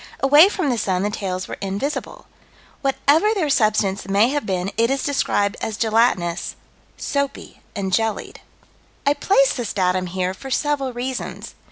Away from the sun the tails were invisible. Whatever their substance may have been, it is described as gelatinous "soapy and jellied." I place this datum here for several reasons.